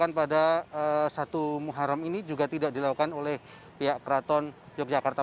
dan pada satu muharam ini juga tidak dilakukan oleh pihak keraton yogyakarta